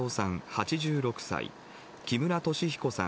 ８６歳、木村敏彦さん